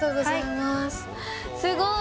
すごい。